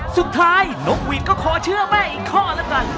สุดท้ายนกหวีดก็ขอเชื่อแม่อีกข้อแล้วกัน